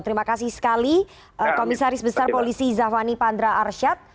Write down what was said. terima kasih sekali komisaris besar polisi zafani pandra arsyad